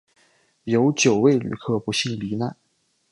有九位旅客不幸罹难